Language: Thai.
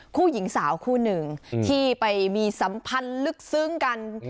ผู้หญิงสาวคู่หนึ่งที่ไปมีสัมพันธ์ลึกซึ้งกัน